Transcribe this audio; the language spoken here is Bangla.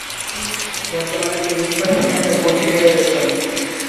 বর্তমানে তিনি মুম্বই ইন্ডিয়ান্সের কোচ হিসেবে রয়েছেন।